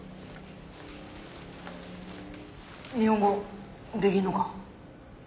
日本語できんのか？